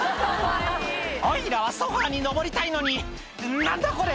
「おいらはソファに上りたいのに何だこれ！